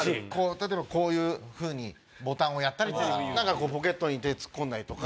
例えばこういうふうにボタンをやったりポケットに手突っ込んだりとか。